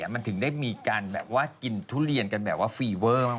มันถึงได้มีการแบบว่ากินทุเรียนกันแบบว่าฟีเวอร์มาก